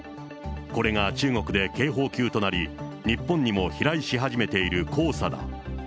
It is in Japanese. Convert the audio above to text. これが中国で警報級となり、日本にも飛来し始めている黄砂だ。